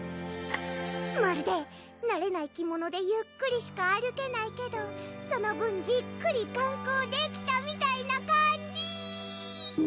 まるでなれない着物でゆっくりしか歩けないけどその分じっくり観光できたみたいな感じ